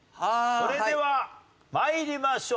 それでは参りましょう。